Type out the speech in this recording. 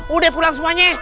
udah pulang semuanya